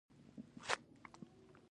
ایا دا شربت خوب راوړي؟